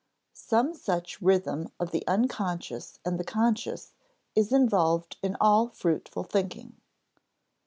Some such rhythm of the unconscious and the conscious is involved in all fruitful thinking.